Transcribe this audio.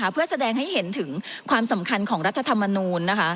เพื่อแสดงให้เห็นถึงความสำคัญของรัฐธรรมนูล